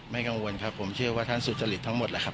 กังวลครับผมเชื่อว่าท่านสุจริตทั้งหมดแหละครับ